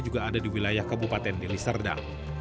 juga ada di wilayah kabupaten deli serdang